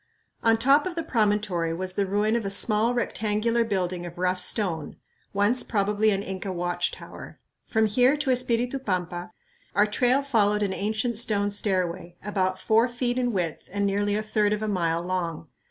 On top of the promontory was the ruin of a small, rectangular building of rough stone, once probably an Inca watch tower. From here to Espiritu Pampa our trail followed an ancient stone stairway, about four feet in width and nearly a third of a mile long.